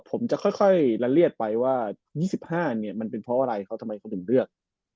ผมจะค่อยละเลียดไปว่า๒๕เนี่ยมันเป็นเพราะอะไรเขาทำไมเขาถึงเลือก